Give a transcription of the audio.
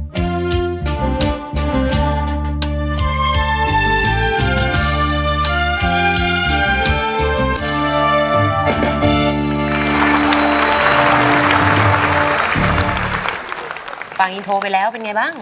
ก็คือร้องให้เหมือนเพลงเมื่อสักครู่นี้